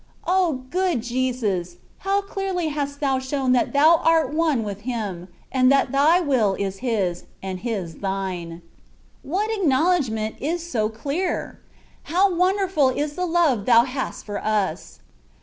O ! good Jesus ! how clearly hast Thou shown that Thou art one with Him, and that Thy will is His, and His thine. What acknowledgment is so clear ! How won derful is the love Thou hast for us.